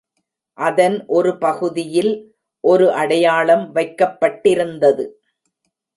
அதன் ஒரு பகுதியில் ஒரு அடையாளம் வைக்கப்பட்டிருந்தது.